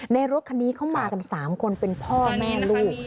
รถคันนี้เขามากัน๓คนเป็นพ่อแม่ลูก